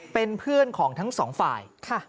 เป็นเพื่อนของทั้งสองฝ่าย